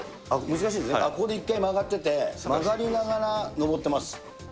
難しいんですね、ここで一回曲がってて、曲がりながら上ってます。